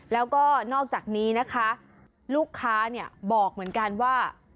แล้วก็นอกจากนี้นะคะลูกค้าเนี่ยบอกเหมือนกันว่า